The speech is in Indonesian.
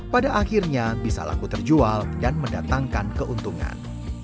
pada akhirnya bisa laku terjual dan mendatangkan keuntungan